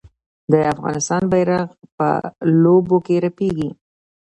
د افغانستان بیرغ په لوبو کې رپیږي.